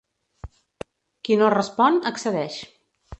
Qui no respon, accedeix.